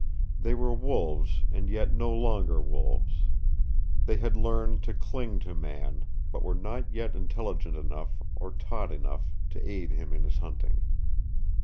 They were wolves and yet no longer wolves. They had learned to cling to man, but were not yet intelligent enough or taught enough to aid him in his hunting.